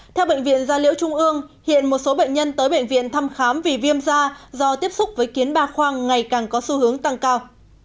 theo bệnh viện gia liễu trung ương hiện một số bệnh nhân tới bệnh viện thăm khám vì viêm da do tiếp xúc với kiến ba khoang ngày càng có xu hướng tăng cao